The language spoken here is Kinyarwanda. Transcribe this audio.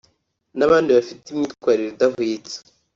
n’abandi bafite imyitwarire idahwitse